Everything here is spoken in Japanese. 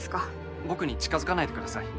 僕に近づかないでください。